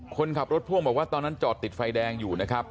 คนขับรถพ่วงบอกว่าตอนนั้นจอดติดไฟแดงอยู่นะครับ